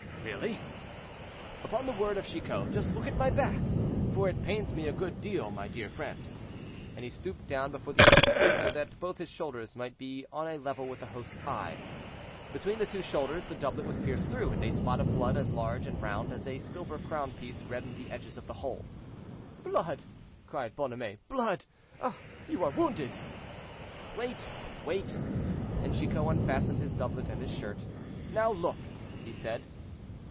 "—"Really?" "Upon the word of Chicot, just look at my back, for it pains me a good deal, my dear friend." And he stooped down before the innkeeper, so that both his shoulders might be on a level with the host's eye. Between the two shoulders the doublet was pierced through, and a spot of blood as large and round as a silver crown piece reddened the edges of the hole. "Blood!" cried Bonhomet, "blood! Ah, you are wounded!" "Wait, wait." And Chicot unfastened his doublet and his shirt. "Now look!" he said.